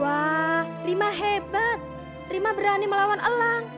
wah rima hebat rima berani melawan elang